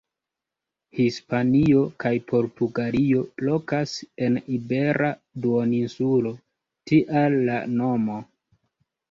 Hispanio kaj Portugalio lokas en Ibera Duoninsulo; tial la nomo.